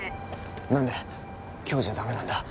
何で今日じゃダメなんだ？